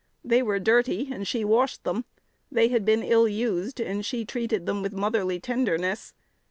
They were dirty, and she washed them; they had been ill used, and she treated them with motherly tenderness.